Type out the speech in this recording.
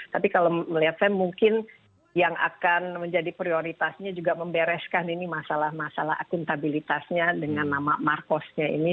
tapi kalau melihatnya mungkin yang akan menjadi prioritasnya juga membereskan ini masalah masalah akuntabilitasnya dengan nama marcos nya ini